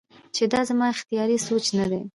چې دا زما اختياري سوچ نۀ دے